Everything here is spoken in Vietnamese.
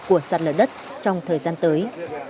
của sạt lở đất trong thời gian tới